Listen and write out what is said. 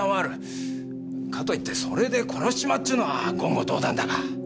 かといってそれで殺しちまうっちゅうのは言語道断だが。